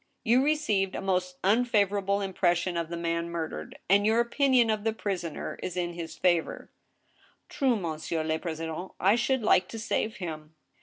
You received a most unfavorable impression of the man murdered, and your opinion of the prisoner is in his favor." "True, monsieur le president , I should like to save him."